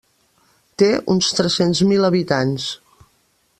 Té uns tres-cents mil habitants.